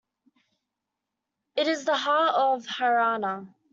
It is the heart of Haryana.